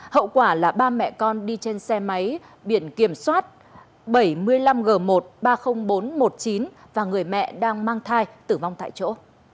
hậu quả là ba mẹ con đi trên xe máy biển kiểm soát bảy mươi năm g một ba mươi nghìn bốn trăm một mươi chín và người mẹ đang mang thai tử vong tại chỗ